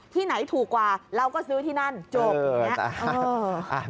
ที่ไหนถูกกว่าเราก็ซื้อที่นั่นจบ